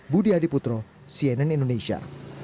budi adiputro cnn indonesia